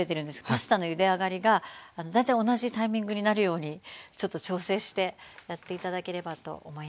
パスタのゆで上がりが大体同じタイミングになるようにちょっと調整してやって頂ければと思います。